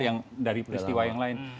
yang dari peristiwa yang lain